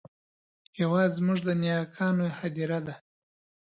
هېواد زموږ د نیاګانو هدیره ده